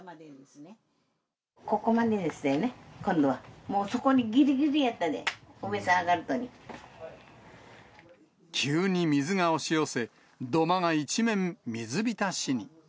ここまでですよね、今度は、もうそこにぎりぎりやったで、急に水が押し寄せ、土間が一面、水浸しに。